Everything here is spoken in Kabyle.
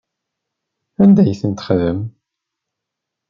Anda ay tent-txaḍem?